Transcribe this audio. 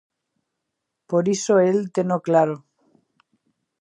Por iso el teno claro...